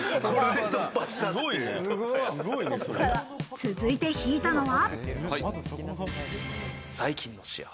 続いて引いたのは。